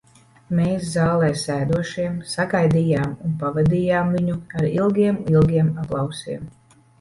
Mēs, zālē sēdošie, sagaidījām un pavadījām viņu ar ilgiem, ilgiem aplausiem.